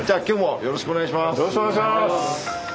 よろしくお願いします！